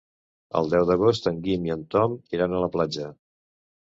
El deu d'agost en Guim i en Tom iran a la platja.